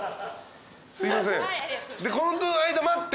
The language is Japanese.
すいません。